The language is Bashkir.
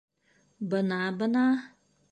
Бына-бына!